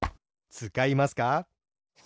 つかいますか？